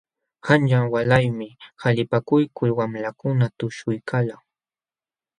Qanyan walaymi qalipakuykul wamlakuna tushuykalqa.